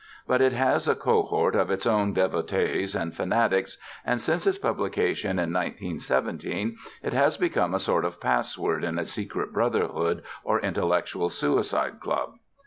But it has a cohort of its own devotees and fanatics, and since its publication in 1917 it has become a sort of password in a secret brotherhood or intellectual Suicide Club.